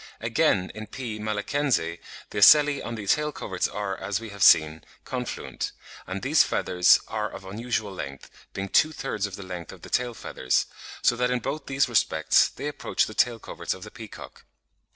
Again, in P. malaccense, the ocelli on the tail coverts are, as we have seen, confluent; and these feathers are of unusual length, being two thirds of the length of the tail feathers, so that in both these respects they approach the tail coverts of the peacock.